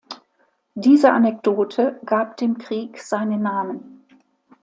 Diese Anekdote gab dem Krieg seinen Namen.